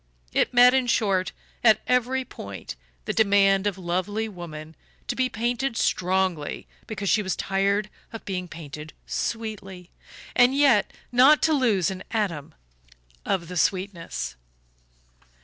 It met, in short, at every point the demand of lovely woman to be painted "strongly" because she was tired of being painted "sweetly" and yet not to lose an atom of the sweetness.